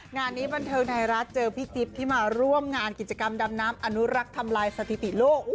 งานนี้บันเทิงไทยรัฐเจอพี่จิ๊บที่มาร่วมงานกิจกรรมดำน้ำอนุรักษ์ทำลายสถิติโลก